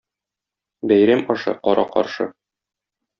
Бәйрәм ашы — кара-каршы.